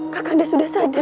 kakanda sudah sadar